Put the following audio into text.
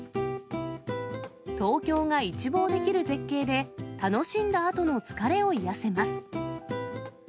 東京が一望できる絶景で、楽しんだあとの疲れを癒やせます。